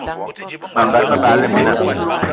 Mas gan, me bagla mina